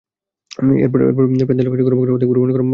এরপর প্যানে তেল গরম করে অর্ধেক পরিমাণ গরম মসলা দিয়ে ফোড়ন দিন।